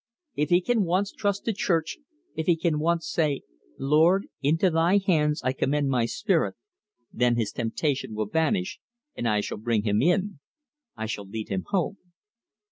If he can once trust the Church, if he can once say, 'Lord, into Thy hands I commend my spirit,' then his temptation will vanish, and I shall bring him in I shall lead him home."